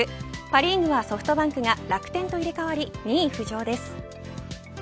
パ・リーグはソフトバンクが楽天と入れ替わり２位浮上です。